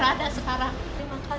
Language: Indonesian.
masih dicari keberadaannya